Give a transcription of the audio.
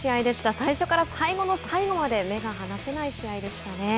最初から最後の最後まで目が離せない試合でしたね。